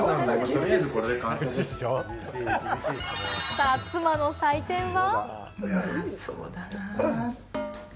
さあ、妻の採点は。